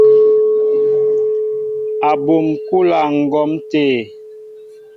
Abum kúla ŋgǒm té.